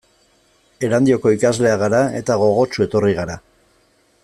Erandioko ikasleak gara eta gogotsu etorri gara.